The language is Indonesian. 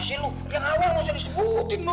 si lu yang awal masa disebutin lo